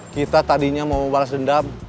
kita tadinya mau balas dendam